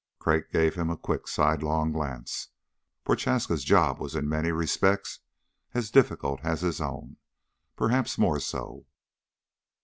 Crag gave him a quick sidelong glance. Prochaska's job was in many respects as difficult as his own. Perhaps more so.